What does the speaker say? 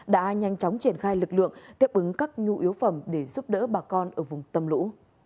đã nhanh chóng triển khai lực lượng tiếp ứng các nhu yếu phẩm để giúp đỡ bà con ở vùng tâm lũ